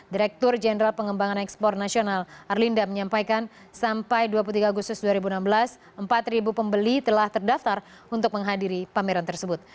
direktur jenderal pengembangan ekspor nasional arlinda menyampaikan sampai dua puluh tiga agustus dua ribu enam belas empat pembeli telah terdaftar untuk menghadiri pameran tersebut